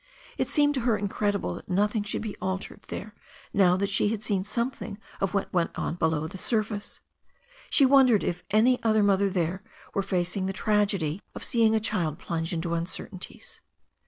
It seemed to her incredible that nothing should be altered there now that she had seen something of what went on below the suti^ite. S\v^ wondered if any other THE STORY OF A NEW ZEALAND RIVER 361 mother there were facing the tragedy of seeing a child plunge into uncertainties.